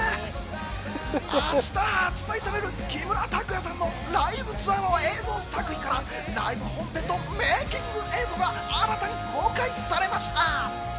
明日発売される木村拓哉さんのライブツアーの映像作品からライブ本編とメーキング映像が新たに公開されました。